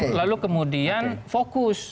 iya lalu kemudian fokus